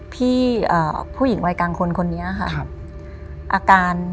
พี่ผู้หญิงวัยกางคนคนนี้ค่ะ